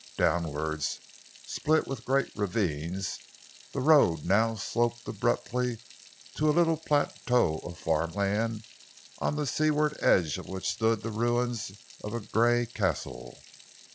Downwards, split with great ravines, the road now sloped abruptly to a little plateau of farmland, on the seaward edge of which stood the ruins of a grey castle.